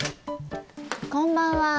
こんばんは。